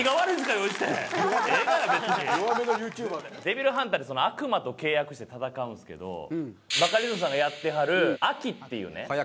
デビルハンターって悪魔と契約して戦うんですけどバカリズムさんがやってはるアキっていうね。